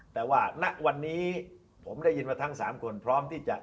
แต่ว่าณวันนี้ผมได้ยินว่าทั้ง๓คนพร้อมที่จะ